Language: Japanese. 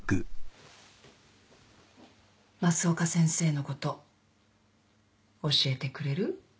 増岡先生のこと教えてくれる？